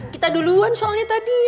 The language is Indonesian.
kita duluan soalnya tadi